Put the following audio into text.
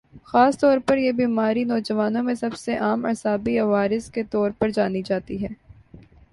خاص طور پر یہ بیماری نوجوانوں میں سب سے عام اعصابی عوارض کے طور پر جانی جاتی ہے